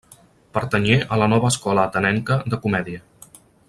Pertanyé a la nova escola atenenca de comèdia.